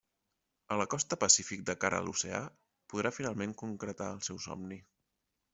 A la costa Pacífic, de cara a l'oceà, podrà finalment concretar el seu somni.